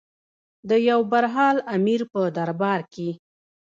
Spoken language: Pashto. د یو برحال امیر په دربار کې.